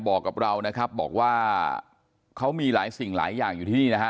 บอกกับเรานะครับบอกว่าเขามีหลายสิ่งหลายอย่างอยู่ที่นี่นะฮะ